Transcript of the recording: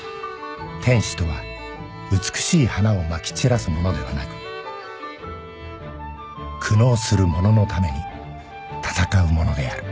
「天使とは美しい花を撒き散らす者ではなく苦悩する者のために戦う者である」